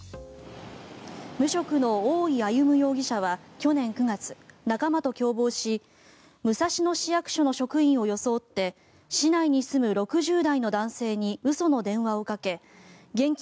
無職の大井歩容疑者は去年９月仲間と共謀し武蔵野市役所の職員を装って市内に住む６０代の男性に嘘の電話をかけ現金